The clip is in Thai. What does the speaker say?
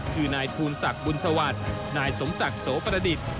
คือนายภูนศักดิ์บุญสวัสดิ์นายสมศักดิ์โสประดิษฐ์